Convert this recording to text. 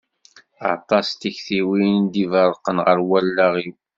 Aṭas n tiktiwin i d-iberrqen ɣer wallaɣ-iw.